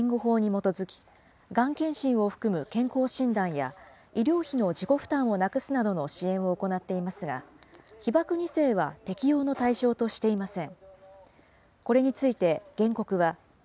国は、被爆者に対しては、被爆者援護法に基づきがん検診を含む健康診断や医療費の自己負担をなくすなどの支援を行っていますが、被爆２世は適用の対象としていません。